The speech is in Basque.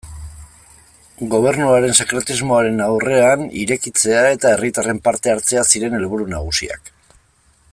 Gobernuaren sekretismoaren aurrean, irekitzea eta herritarren parte-hartzea ziren helburu nagusiak.